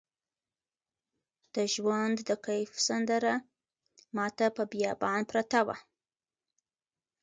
د ژوند د کیف سندره ماته په بیابان پرته وه